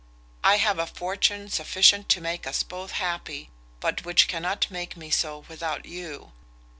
I have a fortune sufficient to make us both happy, but which cannot make me so without you.